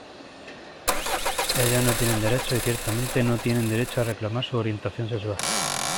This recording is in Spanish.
Ellos "no tienen derechos y ciertamente no tienen derecho a reclamar su orientación sexual.